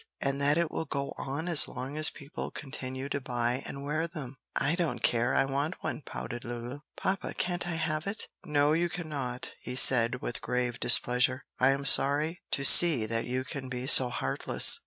and that it will go on as long as people continue to buy and wear them?" "I don't care, I want one," pouted Lulu. "Papa, can't I have it?" "No, you cannot," he said with grave displeasure. "I am sorry to see that you can be so heartless.